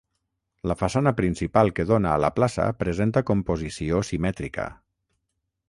La façana principal que dóna a la plaça presenta composició simètrica.